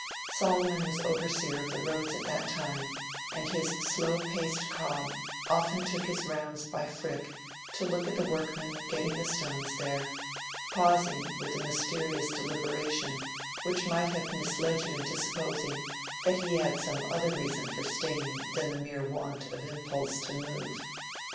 Solomon was overseer of the roads at that time, and on his slow paced cob often took his rounds by Frick to look at the workmen getting the stones there, pausing with a mysterious deliberation, which might have misled you into supposing that he had some other reason for staying than the mere want of impulse to move.